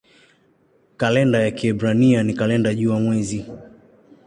Kalenda ya Kiebrania ni kalenda jua-mwezi.